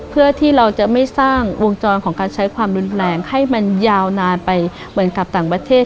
เพื่อที่เราจะไม่สร้างวงจรของการใช้ความรุนแรงให้มันยาวนานไปเหมือนกับต่างประเทศ